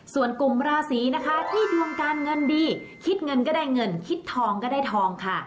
ส่วนกลุ่มราศีนะคะที่ดวงการเงินดีคิดเงินก็ได้เงินคิดทองก็ได้ทองค่ะ